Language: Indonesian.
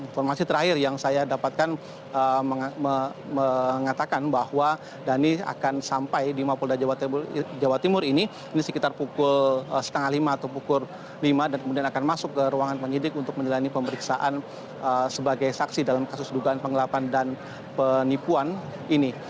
informasi terakhir yang saya dapatkan mengatakan bahwa dhani akan sampai di mapolda jawa timur ini ini sekitar pukul setengah lima atau pukul lima dan kemudian akan masuk ke ruangan penyidik untuk menjalani pemeriksaan sebagai saksi dalam kasus dugaan penggelapan dan penipuan ini